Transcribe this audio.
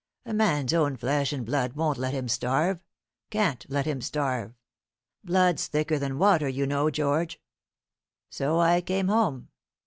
A man's own flesh and blood won't let him starve can't let him starve. Blood's thicker than water, you know, George. So I came home.